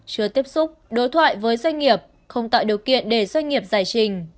chưa tiếp xúc đối thoại với doanh nghiệp không tạo điều kiện để doanh nghiệp giải trình